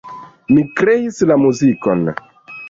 Mi kreis la muzikon.